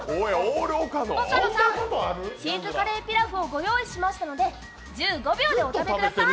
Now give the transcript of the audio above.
岡野さん、チーズカレーピラフをご用意したので１５秒でお食べください。